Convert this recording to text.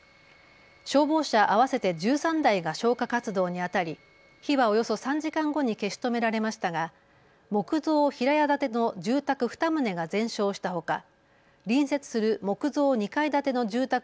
消防車合わせて１３台が消火活動にあたり、火はおよそ３時間後に消し止められましたが木造平屋建ての住宅２棟が全焼したほか隣接する木造２階建ての住宅